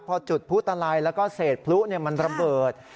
พอจุดพลุตะไลแล้วก็เศษพลุเนี่ยมันระเบิด